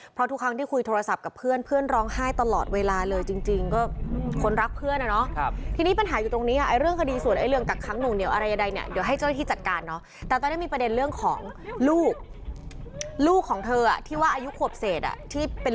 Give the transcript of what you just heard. เพราะทุกครั้งที่คุยโทรศัพท์กับเพื่อนร้องไห้ตลอดเวลาเลยจริงคนรักเพื่อน